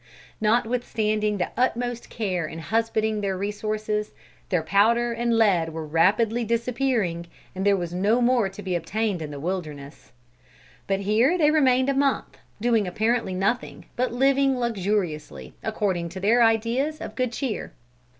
Notwithstanding the utmost care in husbanding their resources, their powder and lead were rapidly disappearing, and there was no more to be obtained in the wilderness. But here they remained a month, doing apparently nothing, but living luxuriously, according to their ideas of good cheer.